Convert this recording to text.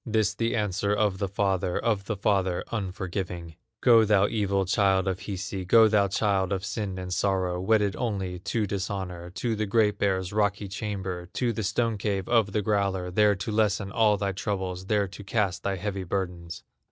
This the answer of the father, Of the father unforgiving: "Go, thou evil child of Hisi, Go, thou child of sin and sorrow, Wedded only to dishonor, To the Great Bear's rocky chamber, To the stone cave of the growler, There to lessen all thy troubles, There to cast thy heavy burdens!"